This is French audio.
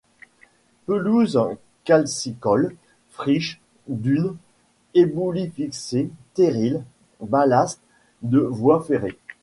Pelouses calcicoles, friches, dunes, éboulis fixés, terrils, ballast des voies ferrées.